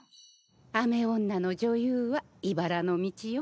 雨女の女優はいばらの道よ。